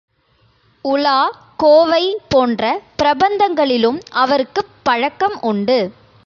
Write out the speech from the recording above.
உலா, கோவை போன்ற பிரபந்தங்களிலும் அவருக்குப் பழக்கம் உண்டு.